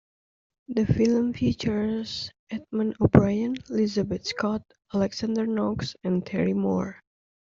The film features Edmond O'Brien, Lizabeth Scott, Alexander Knox and Terry Moore.